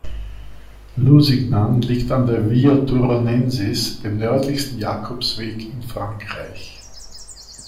Lusignan liegt an der Via Turonensis, dem nördlichsten Jakobsweg in Frankreich.